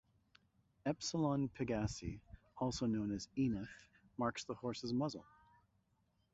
Epsilon Pegasi, also known as Enif, marks the horse's muzzle.